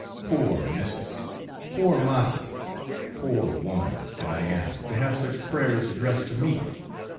Poor 'missis,' poor 'massa,' poor woman, that I am to have such prayers addressed to me!